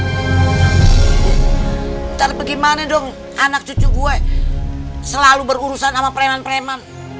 ntar bagaimana dong anak cucu gue selalu berurusan sama preman preman